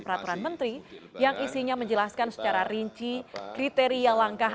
peraturan menteri yang isinya menjelaskan secara rinci kriteria langkah